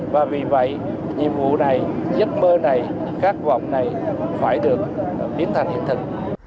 và vì vậy nhiệm vụ này giấc mơ này khát vọng này phải được biến thành hiện thực